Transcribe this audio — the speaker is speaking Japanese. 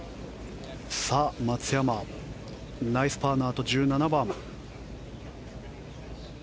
松山、ナイスパーのあと１７番。